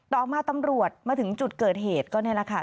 ต่อมาตำรวจมาถึงจุดเกิดเหตุก็นี่แหละค่ะ